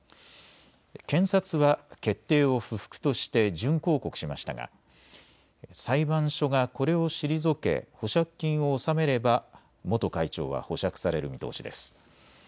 検察は決定を不服として準抗告しましたが裁判所がこれを退け保釈金を納めれば元会長は保釈される見通しです。